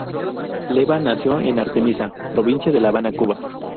Lavan nació en Artemisa, Provincia de la Habana, Cuba.